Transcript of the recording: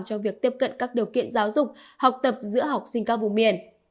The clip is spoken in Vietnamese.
cho việc tiếp cận các điều kiện giáo dục học tập giữa học sinh các vùng miền